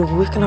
oh dia kelar